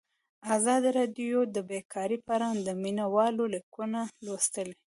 ازادي راډیو د بیکاري په اړه د مینه والو لیکونه لوستي.